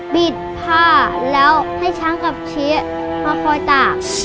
ดผ้าแล้วให้ช้างกับเชมาคอยตาก